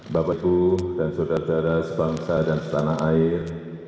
bapak ibu dan saudara saudara sebangsa dan setanah air